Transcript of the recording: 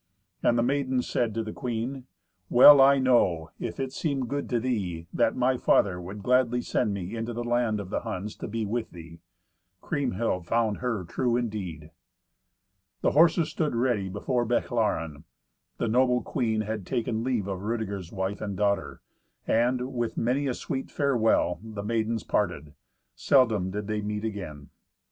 And the maiden said to the queen, "Well I know, if it seem good to thee, that my father would gladly send me into the land of the Huns to be with thee." Kriemhild found her true indeed! The horses stood ready before Bechlaren; the noble queen had taken leave of Rudeger's wife and daughter, and, with many a sweet farewell, the maidens parted; seldom did they meet again.